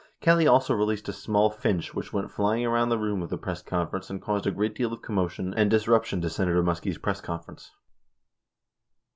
Kelly also released a small finch which went flying around the room of the press conference and caused a great deal of commotion and disruption to Senator Muskie's press conference